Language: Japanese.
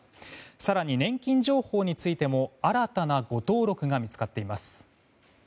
更に、年金情報についても新たな誤登録が見つかっています。